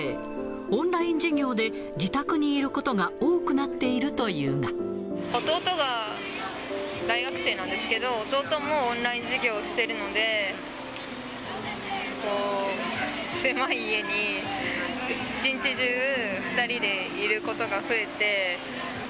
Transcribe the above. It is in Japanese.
オンライン授業で、自宅にいることが多くなっ弟が大学生なんですけど、弟もオンライン授業をしているので、狭い家に、一日中２人でいることが増えて。